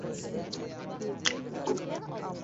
তাহারই কথা ফুরায় নাই তো কেমন করে সে রজনীর কথা শুনিবে!